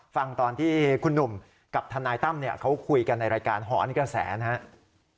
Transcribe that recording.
ฟังตอนที่คุณหนุ่มกับทนายตั้มเขาคุยกันในรายการหอนกระแสนะครับ